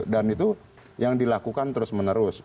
dan itu yang dilakukan terus menerus